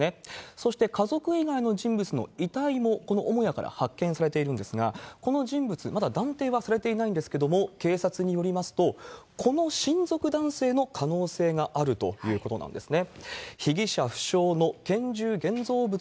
そして家族以外の人物の遺体も、この母屋から発見されているんですが、この人物、まだ断定はされていないんですけれども、警察によりますと、この親族男性の可能性があるということなんですね。